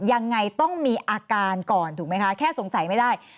ยังไงต้องมีอาการก่อนถูกไหมคะแค่สงสัยไม่ได้